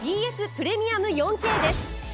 プレミアム４Ｋです。